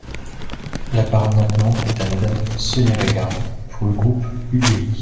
La parole maintenant est à Madame Sonia Lagarde pour le groupe UDI.